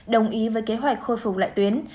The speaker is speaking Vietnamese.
đồng ý với kế hoạch khôi phục lại tuyến